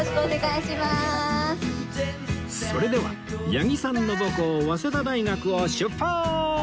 それでは八木さんの母校早稲田大学を出発！